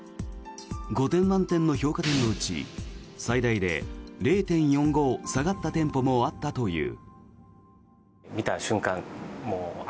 ５点満点の評価点のうち最大で０．４５下がった店舗もあったという。